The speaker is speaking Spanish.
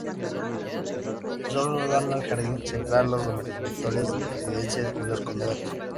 Solo dan al jardín central los dormitorios de las residencias y los comedores.